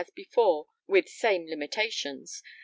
as before, with same limitations_].